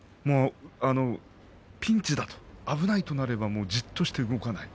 ピンチだと、危ないとなればじっとして動かない。